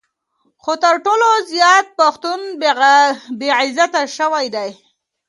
خو تر ټولو زیات پښتون بې عزته شوی دی.